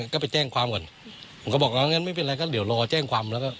ก็ไปแจ้งความก่อนผมก็บอกแล้วงั้นไม่เป็นไรก็เดี๋ยวรอแจ้งความแล้วก็